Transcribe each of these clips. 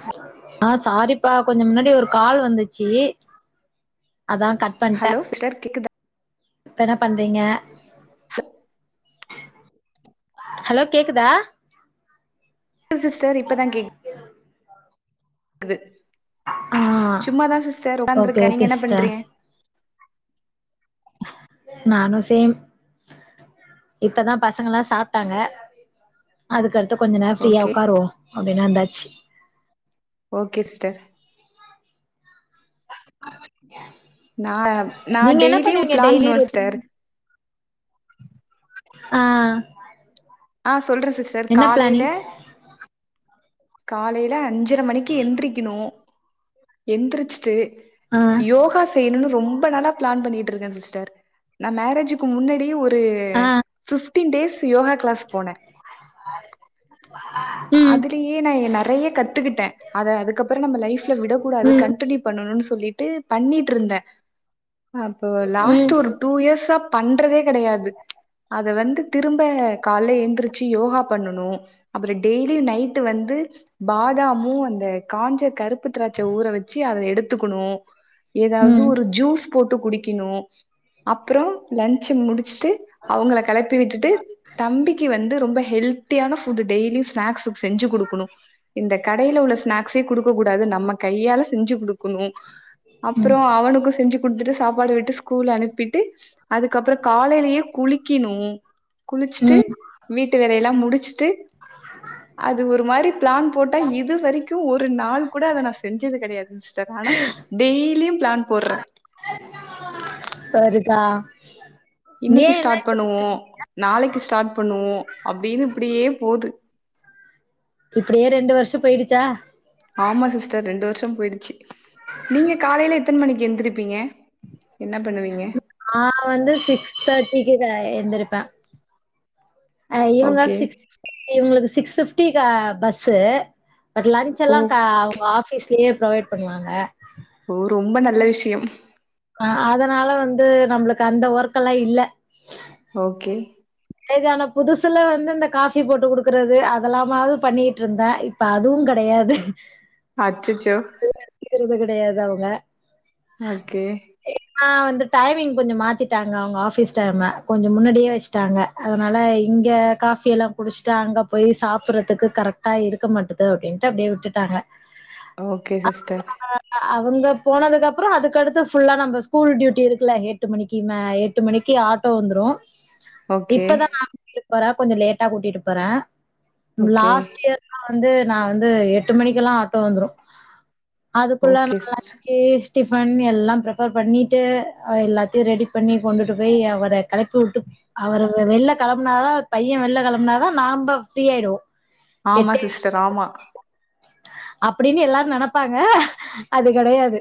ஹ ஆ சாரிப்பா கொஞ்சம் முன்னாடி ஒரு கால் வந்துச்சு அதா கட் பண்ட்டே ஹலோ சிஸ்டர் கேக்குதா இப்ப என்ன பண்றீங்க ஹலோ கேக்குதா அ சிஸ்டர் இப்ப தா கேக் குது ஆ சும்மாதா சிஸ்டர் ஓகே உக்காந்துருக்கே ஓகே நீங்க என்ன சிஸ்டர் பண்றீங்க நானும் சேம் இப்பதா பசங்கலா சாப்டாங்க அதுக்கடுத்து கொஞ்ச நேரோ ஃப்ரீயா ஓகே ஒக்காருவோ அப்டினு வந்தாச்சு ஓகே சிஸ்டர் நா நா நீங்க என்ன டெய்லி ஒரு பண்ணுவீங்க பிளான் டெய்லி பண்ணுவே ரொட்டின் சிஸ்டர் ஆ ஆ சொல்றே சிஸ்டர் என்ன காலையில பிளானிங் காலையில அஞ்சர மணிக்கு எந்திரிக்கணு எந்திரிச்சுட்டு ஆ யோகா செய்யணும்னு ரொம்ப நாளா ப்ளான் பண்ணிட்ருக்கே சிஸ்டர் நா மேரேஜுக்கு முன்னாடியே ஒரு ஆ பிஃப்டின் டேஸ் யோகா க்ளாஸ் போனே ம் அதுலே யே நா நெறையா கத்துக்கிட்டே அத அதுக்கப்புற நம்ம லைஃப்ல விடக்கூடாது ம் கண்டினியூ பண்ணணுனு சொல்லிட்டு பண்ணிட்ருந்தே அப்ப ம் லாஸ்டு ஒரு டூ இயர்ஸா பண்றதே கெடையாது அத வந்து திரும்ப கால்ல எந்திரிச்சு யோகா பண்ணணு அப்றோ டெய்லியு நைட் டு வந்து பாதாமு அந்த காஞ்ச கருப்பு திராட்ச ஊற வச்சு அத எடுத்துக்குணு ஏதாவது ம் ஒரு ஜூஸ் போட்டு குடிக்கணு அப்றோ லன்ச் முடிச் சுட்டு அவுங்கள கெளப்பி விட்டுட்டு தம்பிக்கு வந்து ரொம்ப ஹெல்த் தியான ஃபுட் டெய்லி ஸ்னாக்ஸு செஞ்சு குடுக்கணு இந்த கடையில உள்ள ஸ்நாக்ஸே குடுக்ககூடாது நம்ம கையால செஞ்சு குடு க்குனு ம் அப்பறோ அவனுக்கு செஞ்சு குடுத்துட்டு சாப்பாடு விட்டு ஸ்கூலு அனுபிட்டு அதுக்கப்பறோ காலைலயே குளிக்கிணு குளுச்சுட்டு ம் வீட்டு வேலைலா முடிச்சுட்டு அது ஒரு மாரி பிளான் போட்டா இது வரைக்கூ ஒரு நாள் கூட அத நா செஞ்சது கெடயாதுங் சிஸ்டர் ஆனா டெய்லியூ பிளான் போட்றோ சரிப்பா இன்னிக்கு ஸ்டார்ட் பண்ணுவோ நாளைக்கு ஸ்டார்ட் பண்ணுவோ அப்டீன்னு இப்டியே போது இப்பிடியே ரெண்டு வர்ஷோ போயிடுச்சா ஆமா சிஸ்டர் ரெண்டு வர்ஷோ போயிடுச்சு நீங்க காலைல எத்தன மணிக்கு எந்திரிப்பீங்க என்ன பண்ணுவீங்க நா வந்து சிக்ஸ் தேர்ட்டிக்குதா எந்திருப்போ அ இவுங்க ஓகே சிக் இவுங்குளுக்கு சிக்ஸ் ஃபிப்டிக்கு பஸ்ஸு பட் லன்ச்செல்லா க ஓகே அவுங்க ஆஃபீஸ்லயே ப்ரொவைட் பண்ணுவாங்க ஓ ரொம்ப நல்ல விஷ்யம் அ அதனால வந்து நம்ளுக்கு அந்த ஒர்க்கெல்லா இல்ல ஓகே மேரேஜானா புதுசுல வந்து இந்த காஃபி போட்டு குடுக்கறது அதெல்லாமாவது பண்ணீட்ருந்தே இப்ப அதுவுங் கெடையாது அச்சச்சோ [inaudible] கெடையாது அவுங்க ஓகே அ வந்து டைமிங் கொஞ்சோ மாத்திட்டாங்க அவுங்க ஆஃபீஸ் டைம கொஞ்சோ முன்னாடியே வச்சுட்டாங்க அதனால இங்க காஃபி எல்லா குடிச்ட்டு அங்க போய் சாப்பட்றதுக்கு கரெக்டா இருக்க மாட்டத் து அப்டின்ட்டு அப்டியே விட்டுட்டாங்க ஓகே சிஸ்டர் அ அவுங்க போனதுக்கப்றோ அதுக்கடுத்து ஃபுல்லா நம்ம ஸ்கூல் டியூட்டி இருக்குல ஹெட் ட்டு மணிக்கு மே எட்டு மணிக்கு ஆட்டோ வந்துரூ ஓகே இப்பதா நா கூட்டிட்டு போறோ கொஞ்சோ லேட்டா கூட்டிட்டு போறோ ஓகே லாஸ்ட் இயர் நா வந்து நா வந்து எட்டு மணிக்கெல்லா ஆட்டோ வந்துரூ அதுக்குள்ள ஓகே நா லன்ச் சிஸ்டர் க்கு டிஃபன் எல்லா ப்ரிப்பேர் பண்ணிட்டு அ எல்லாத்தையூ ரெடி பண்ணி கொண்டுட்டு போய் அவர கெளப்பி வுட்டு அவர வெள்ல கிளப்பனாதா பைய வெள்ல கிளம்பனாதா நாம ஃப்ரீயாய்டுவோ ஆமா எட்டர சிஸ்டர் ஆமா [inaudible] அப்பிடின்னு எல்லாரூ நெனைப்பாங்க அது கெடயாது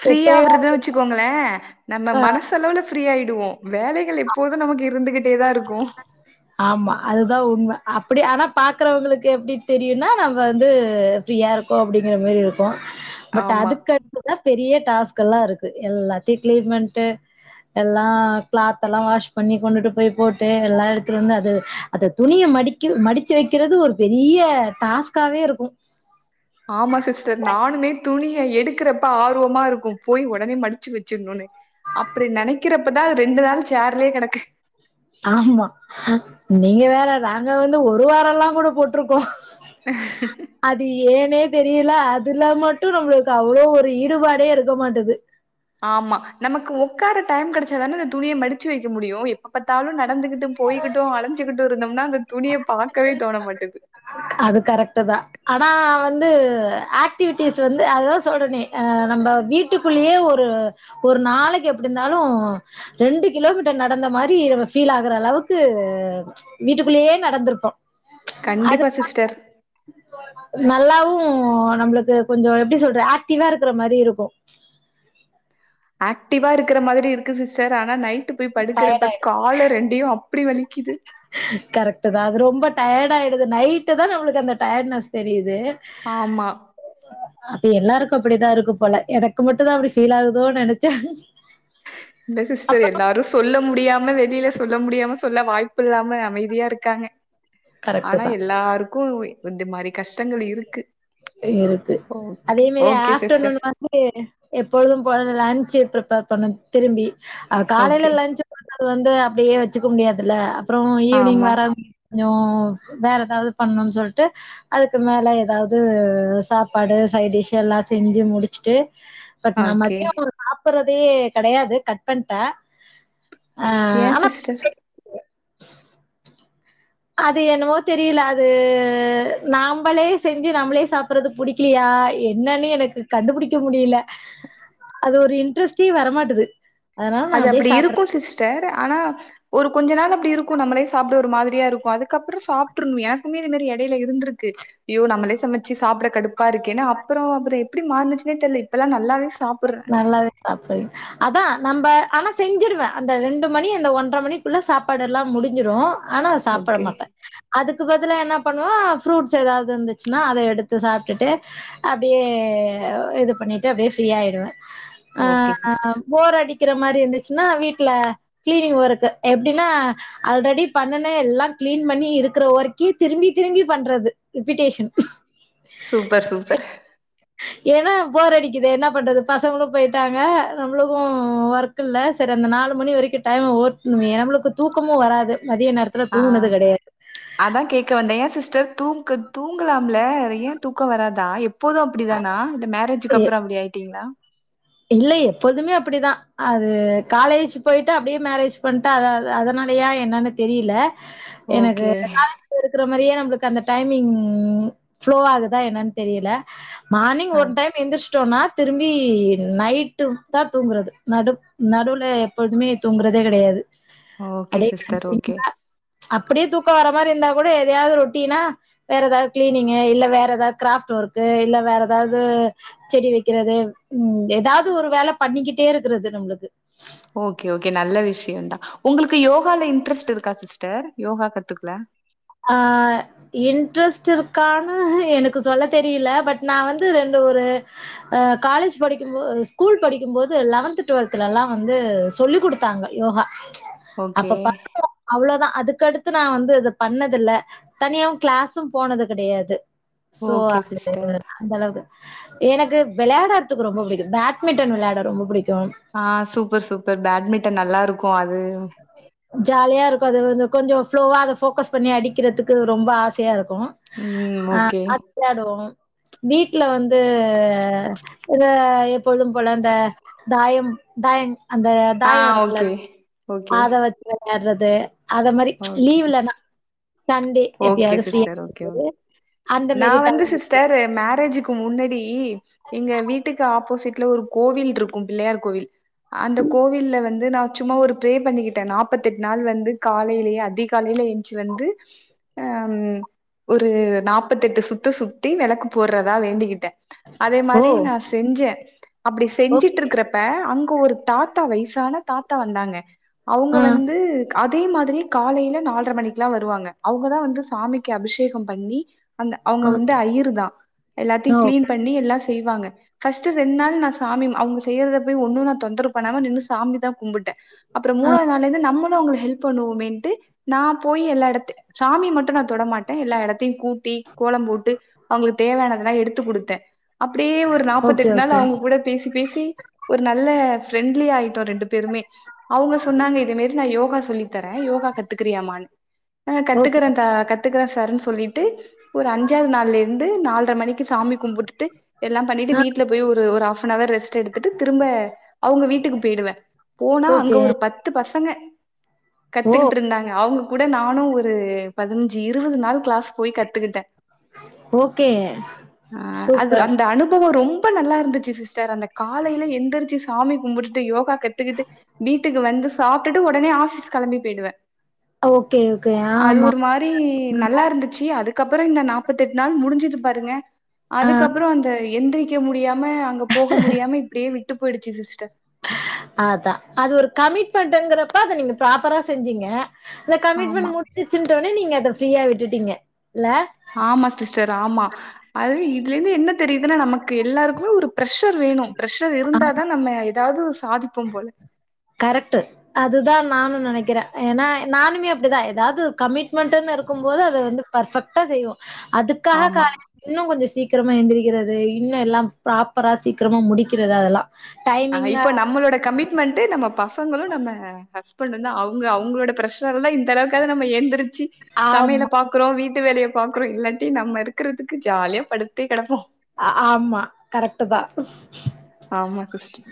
ஃப்ரீஆவுறதுன் வச்சுக்கோங்களே நம்ம மனசளவுல ஃப்ரீ ஆயிடுவோ வேலைகள் எப்போது நமக்கு இருந்துகிட்டேதா இருக்கோ ஆமா அதுதா உண்ம அப்பிடி ஆனா பாக்குறவுங்களுக்கு எப்டி தெரியுன்னா நம்ப வந்து ஃப்ரியா இருக்கோ அப்பிடிங்கிற மாரி இருக்கோ பட் ஆமா அதுக்கடுத் ப்றந்தா பெரிய டாஸ்க்கெல்லா இருக்கு எல்லாத்யூ க்ளீன் பண்ட்டு எல்லா கிளாத்தெல்லா வாஷ் பண்ணி கொண்டுட்டு போய் போட்டு எல்லா எடுத்துட்வந்து அது அத துணிய மடிக்கு மடுச்சு வைக்கிறது ஒரு பெரிய டாஸ்க் காவே இருக்கோ ஆமா சிஸ்டர் நானுமே துணிய எடுக்கறப்ப ஆர்வமா இருக்கோ போய் உடனே மடிச்சு வச்சிட்ணனு அப்டி நெனைக்கறப்பதா ரெண்டு நாள் சேர்லயே கெடக்கு ஆமா நீங்க வேற நாங்க வந்து ஒரு வாரொல்லாங் கூட போட்ருக்கோ அது ஏனே தெரியல அதுல மட்டூ நம்ளுக்கு அவ்ளோ ஒரு ஈடுபாடே இருக்க மாட்டது ஆமா நமக்கு ஒக்கார டைம் கெடச்சாதான அந்த துணிய மடுச்சு வைக்க முடியு இப் எப்போ பார்த்தாலும் நடந்துகிட்டு போய்கட்டும் அலஞ்சகிட்டு இருந்தோம்னா அந்த துணியை பாக் கவே தோண மாட்டேது அது கரெக்ட்டு தா ஆனா வந்து ஆக்டிவிட்டிஸ் வந்து அது தா சொல்றனே நம்ம வீட்டு வீட்டுக்குள்ளையே ஒரு ஒரு நாளைக்கு எப்படி இருந்தாலு ரெண்டு கிலோமீட்டர் நடந்த மாரி பீல் ஆகுற அளவுக்கு வீட்டு வீட்டுக்குள்ளேயே நடந்திருக்கோ அது கண்டிப்பா சிஸ்டர் நல்லாவு நம்மளுக்கு கொஞ்சோ எப்டி சொல்றது ஆக்டிவா இருக்கற மாரி இருக்கு ஆக்டிவா இருக்கிற மாதிரி இருக்கு சிஸ்டர் ஆனா நைட்டு் போய் டயர்ட் படுக்குறப்ப ஆயிடு காலு ரெண்டையு அப்டி வலிக்குது கரெக்ட் தா அது ரொம்ப டயர்டு ஆயிடுது நைட்டு தா நம்மளுக்கு அந்த டயர்டுனஸ் தெரியுது ஆமா அப்ப எல்லாருக்கு அப்டிதா இருக்கு போல எனக்கு மட்டும் தா அப்டி ஃபீல் ஆகுதோன்னு நெனச்சேன் இல்ல சிஸ்டர் எல்லாரும் சொல்ல முடியாம வெளியில சொல்ல முடியாம சொல்ல வாய்ப்பு இல்லாம அமைதியா இருக்காங்க கரெக்ட் ஆனா தா எல்லாருக்கு இந்த மாரி கஷ்டங்கள் இருக்கு இருக்கு ஓகே. அதே மாரி ஓகே சிஸ்டர். ஆஃப்டர்நூன் வந் [unintelligible] எப்பொழுது போல லஞ்ச் பிரிப்பர் பண்ணணு திரும்பி காலையில ஓகே. லன்ச் அது வந்து அப்டியே வச்சுக்க முடியாதுலே அப்பறம் ஈவினிங் ஆமா. வர கொஞ்சம் வேற ஏதாவது பண்ணும்ன்னு சொல்லிட்டு அதுக்கு மேல ஏதாவது இது சாப்பாடு சைடுடிஷ் எல்லா செஞ்சு முடிச்சுட்டு பட் நா ஓகே. மதியம் சாப்டறதே கெடையாது கட் பண்ணிட்டே அ ஏன் ஆனா சிஸ்டர்? அது என்னவோ தெரியல அது நாமளே செஞ்சு நம்மளே சாப்டுறது புடி புடிக்கலியா என்னன்னே எனக்கு கண்டுபிடிக்க முடியல அது ஒரு இன்ட்ரெஸ்டே வரமாட்டுது அதனால நா அது அப்டியே அப்டி சாப்ட்ற இருக்கும் சிஸ்டர் ஆனா ஒரு கொஞ்ச நாள் அப்டி இருக்கு நம்மளே சாப்பட ஒரு மாதிரியா இருக்கு அதுக்கப்பறம் சாப்ட்டுருனு எனக்குமே இது மாரி எடயில இருந்திருக்கு ஐயோ நம்மளே சமைச்சு சாப்பட கடுப்பா இருக்கேன்னு அப்பறோ எப்டி மாரின்ச்சுனே தெரியல இப்பெல்லா நல்லாவே சாப்டுறேன் நல்லாவே சாப்டுவே அதா நம்ம ஆனா செஞ்சிடுவே அந்த ரெண்டு மணி அந்த ஒன்றரை மணிக்குள்ள சாப்பாடு எல்லாம் முடிஞ்சிடும் ஆனா சாப்ட ஓகே. மாட்டே அதுக்கு பதிலா என்ன பண்ணுவா ஃப்ரூட்ஸ் ஏதாவது இருந்துச்சுன்னா அத எடுத்து சாப்ட்டுட்டு அப்டியே இது பண்ணிட்டு அப்டியே ஃப்ரீயாயிடுவே அ ஓகே சிஸ்டர். போர் அடிக்கிற மாரி இருந்துச்சுன்னா வீட்டுல கிளீனிங் ஒர்க்கு எப்டின்னா ஆல்ரெடி பண்ணன எல்லாம் கிளீன் பண்ணி இருக்கிற ஒர்கியும் திரும்பி திரும்பி பண்றது ரிபிடேஷன் சூப்பர் சூப்பர் [inaudible] ஏன்னா போரடிக்குது என்ன பண்றது பசங்களும் போயிட்டாங்க நம்மளுக்கு ஒர்க் சரி அந்த நாலு மணி வரைக்கும் டைம் ஓட்ன்மே நமளுக்கு தூக்கமும் வராது மதிய நேரத் அ அதா கேட்க வந்தே ஏன் சிஸ்டர் தூக்கு தூங்கலாம்ல ஏ தூக்க வராதா எப்போது அப்டிதானா இல்ல மேரேஜுக்கு இ அப்பறம் அப்டி ஆயிட்டீங்களா இல்ல எப்போதுமே அப்படிதா அது காலேஜ் போயிட்டு அப்படியே மேரேஜ் பண் அத அதனாலையா என்னன்னு தெரியல எனக்கு ஓகே இப்ப இருக்கிற மாரியே நம்மளுக்கு அந்த டைமிங் ஃப்ளோ ஆகுதா என்னன்னு தெரியல மார்னிங் ஆ ஒரு டைம் எந்திருச்சிட்டோனா திரும்பி நைட்டு தா தூங்குறது நடு நடுவுல எப்பொழுதுமே தூங்குறதே கெடையாது ஓகே அடே க [inaudible] சிஸ்டர் ஓகே அப்டியே தூக்க வர மாரி இருந்தா கூட எதயாவது ரொட்டினா வேற எதாவது கிளீனிங்கு இல்ல வேற எதாவது கிராஃப்ட் ஒர்க்கு இல்ல வேற எதாவது செடி வெக்கிறது ம் எதாவது ஒரு வேல பண்ணிக்கிட்டே இருக்கிறது நம்மளுக்கு ஓகே ஓகே நல்ல விஷயம் தா உங்களுக்கு யோகால இன்ட்ரெஸ்ட் இருக்கா சிஸ்டர் யோகா கத்துக்க அ இன்ட்ரெஸ்ட் இருக்கான்னு எனக்கு சொல்ல தெரியல பட் நா வந்து ரெண்டு ஒரு அ காலேஜ் படிக்கும் போ ஸ்கூல் படிக்கும் போது லெவன்த் டுவெல்த்லல்லா வந்து சொல்லிக் கொடுத்தாங்க யோகா ஓகே அப்ப பண்ணோ அவ்ளோதா அதுக்கடுத்து நா வந்து இத பண்ணதில்ல தனியாவு கிளாஸு போனது கெடையாது சோ ஓகே அது சிஸ்டர் அந்த அளவுக்கு எனக்கு வெளையாடறதுக்கு ரொம்ப பிடிக்கு பேட்மிண்டன் வெளையாட ரொம்ப புடிக்கு அ சூப்பர் சூப்பர் பேட்மிண்டன் நல்லா இருக்கு அது ஜாலியா இருக்கு அது வந்து கொஞ்ச ஃப்ளோவா அத போக்கஸ் பண்ணி அடிக்கிறதுக்கு ரொம்ப ஆசையா இருக்கு ம் ஓகே விளையாடுவோ வீட்ல வந்து அ எப்பொழுது போல அந்த தாயம் தாயம் அந்த ஆ தாயம் இருக்குல்ல ஓகே ஓகே அத வச்சு விளையாடுறது அத மாரி ஓகே லீவ் இல்லனா சிஸ்டர் ஓகே சிஸ்டர் ஒகே ஒ அந்த மாரி நான் வந்து டைம் சிஸ்டர் ஏ மேரேஜ்க்கு முன்னடி எங்க வீட்டுக்கு ஆப்போசிட்ல ஒரு கோவில் இருக்கு பிள்ளையார் கோவில் அந்த கோவில்ல வந்து நா சும்மா ஒரு ப்ரே பண்ணிக்கிட்டே நாற்பத்தெட்டு நாள் வந்து காலையிலேயே அதிகாலையில ஏஞ்சு வந்து அ ம் ஒரு நாற்பத்தெட்டு சுத்து சுத்தி வெளக்கு போட்றதா வேண்டிக்கிட்டே அதே ஓ மாரி நா செஞ்சே அப்டி ஓகே செஞ்சிட்ருக்கறப் ப அங்க ஒரு தாத்தா வயசான தாத்தா வந்தாங்க அவங்க ஆஹ் வந்து அதே மாதிரி காலையில நால்ரை மணிக்கெல்லா வருவாங்க அவுங்கதா வந்து சாமிக்கு அபிஷேகம் பண்ணி அந்த அவங்க ஆஹ் வந்து அய்யிறு தா எல்லாத்தையு கிளீன் ஓகே பண்ணி எல்லா செய்வாங்க பஸ்ட் ரெண் நாள் நா சாமி அவுங்க செய்யறத போய் ஒன்னு நாத் தொந்தரவு பண்ணாம நின்னு சாமி தா கும்பிட்டே அப்புற மூனாவது நாள்லருந்து நம்மளு அவங்க ளுக் ஹெல்ப் பண்ணுவோமேன்ட்டு நா போய் எல்லா எடத்தையு சாமி மட் மட்டு தொட மாட்டே எல்லா எடத்தையு கூட்டி கோலம் போட்டு அவங்களுக்கு தேவையானதெல்லா எடுத்து குடுத்தே அப்டியே ஒரு ஓகே நாப்பத்தெட்டு நாள் ஓகே அவங்க கூட பேசி பேசி ஒரு நல்ல ஃப்ரெண்ட்லி ஆயிட்டோ ரெண்டு பேருமே அவுங்க சொன்னாங்க இந்த மாரி நா யோகா சொல்லித்தரே யோகா கத்துக்கிறியாமான்னு அ ஓகே கத்துக்கறே தா கத்துக்கறே சார்ன்னு சொல்லிட்டு ஒரு அஞ்சாவது நாள்ல இருந்து நால்ரை மணிக்கு சாமி கும்பிட்டுட்டு எல்லா பண்ணிட்டு ஆஹ் வீட்ல போய் ஒரு ஹாப் அன் ஹவர் ரெஸ்ட் எடுத்துட்டு திரும்ப அவங்க வீட்டுக்கு போயிடுவேன் போன அங்க ஓகே ஒரு பத்து பசங்க ஓ கத்துக்கிட்டு இருந்தாங்க அவங்க கூட நானு ஒரு ஒரு பதினஞ்சு இருவது நாள் கிளாஸ் போய் கத்துக்கிட்டே ஓகே அ அது சூப்பர் அந்த அனுபவம் ரொம் ப நல்லா இருந்துச்சு சிஸ்டர் அந்த காலையில எந்திரிச்சு சாமி கும்புட்டுட்டு யோகா கத்துக்கிட்டு வீட்டுக்கு வந்து சாப்பிட்டுட்டு உடனே ஆபிஸ் கெளம்பி போயிடுவே ஓகே ஓகே அது ஆமா ஒரு மாரி நல்லா இருந்து ச்சி அதுக்கப்புற இந்த நாற்பத்தி எட்டு நாள் முடிஞ்சது பாருங்க ஆ அதுக்கப்புற அந்த எந்திரிக் ரிக்க முடியாம அங்க போக முடியாம இப்டியே விட்டு போயிடுச்சு சிஸ்டர் அதா அது ஒரு கமிட்மெண்ட்டுங்கிறப்ப அத நீங்க ப்ராப்பரா செஞ்சீங்க ல ஆமா கமிட்மென்ட்டு முடி ஞ்ச்சிர்சின்ட்டோனே நீங்க அத ஃப்ரீயா விட்டுட்டீங்க இல்ல ஆமா ஸ்டிஸ்டர் ஆமா அது இதுலேந்து என்னத் தெரியுதுனா நமக்கு எல்லாருக்குமே ஒரு பிரஷர் வேணும் பிரஷர் இருந்தாதான் நம்ம எதாது சாதிப்போம் போல கரெட்டு அதுதா நானு நெனைக்கிற எனா நானுமே அப்டிதா எதாது கமிட் க்மென்ட்டுனு இருக்கும்போது அத வந்து பர்ஃபெக்டா செய்வோ அதுக்காக ஆமா காலை இன்னு கொஞ்சோ சீக்கிரமா எந்திரிகிறது இன்னு எல்லாம் பிராப்பரா சீக்கரமா முடிக்கிறது அதெல்லா அ இப்ப நம்மளோட கமிட்மெண்ட்டு நம்ம பசங்களு நம்ம ஹஸ்பண்ட்டுந்தா அவுங்க அவுங்ளோடப் பிரஷ் டர்ல இந்தளவுக்காது நம்ம எந்திரிச்சி ஆமா சமையலப் பாக் க்றோ வீட்டு வேலயப் பாக்றோ இல்லாட்டி நம்ம இருக்கறதுக்கு ஜாலியா படுத்தே கெடப்போ ஆமா கரெக்ட்டுதா ஆமா sister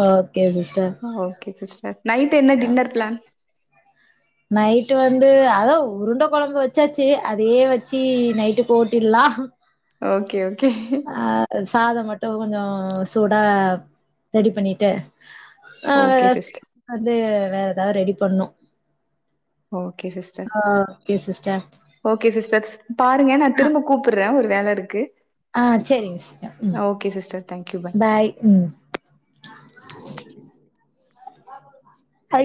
okay sister okay sister night என்ன டின்னர் பிளான் நைட்டு வந்து அதா உருண்ட கொழம்பு வச்சாச்சி அதையே வச்சி நைட்டுக் ஓட்டில்லா ஓகே ஓகே அ சாதோ மட்டு கொஞ்சோ சூடா ரெடி பண்ணிட்டே ஆ வேற ஓகே சிஸ்டர் [unintelligible] வேற எதா ரெடி பண்ணு ஒகே சிஸ்டர் ஆ ஓகே சிஸ்டர் ஓகே சிஸ்டக்ஸ் பாருங்க நா திரும்பக் கூப்பர்ற ஒரு வேல இருக்கு ஆ சேரிங் ஸ்டர் ம் ஓகே சிஸ்டர் தேங்க்யூ பாய் ம் அ